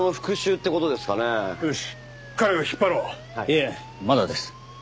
いえまだです。